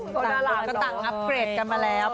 คนอาหารก็ต่างอัพเกรดกันมาแล้ว